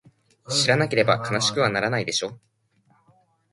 知らなければ悲しくはならないでしょ？